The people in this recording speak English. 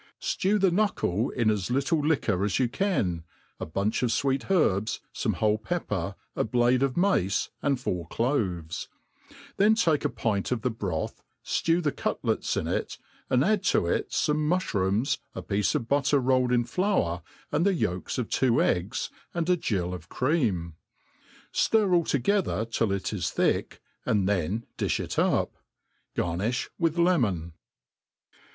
Stew the knuckle in as little liquor as you can, a bunch of fweet herbs, fome whole pepper, a blade of mace, and four cloves ; then take a pint of the broth, ftew the cutlets in it, and add to it fome mulh rooms, a piece of butter rolled in flour, and the yolks of two eggs and a gill of cream j ftir all together till it is thick, and ,then difli it up, Garniih with lemon.